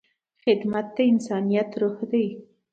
خدمت د انسانیت روح دی.